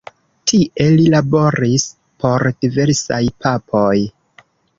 Tie li laboris por diversaj papoj.